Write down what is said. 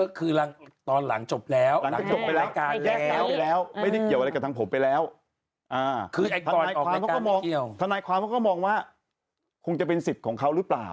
อันนี้คือไปเรียกเก็บตามที่หลังคือตอนหลังจบแล้วรายการแล้วไม่ได้เกี่ยวอะไรกับทางผมไปแล้วทนายความเขาก็มองว่าคงจะเป็นสิทธิ์ของเขาหรือเปล่า